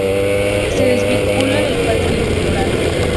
Se desvincula del Partido Colorado.